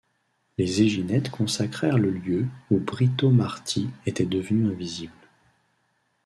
Les Éginètes consacrèrent le lieu où Britomartis était devenue invisible.